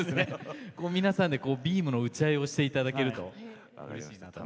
皆さんでビームのうち合いをしていただけるとうれしいなと。